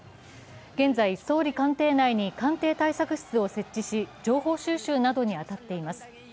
現在、総理官邸内に官邸対策室を設置し、情報収集などに当たっています。